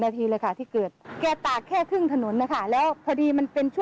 แล้วเราไปเอาทำเเธอก็เลยไปเอาออก